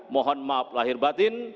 mohon maaf lahir batin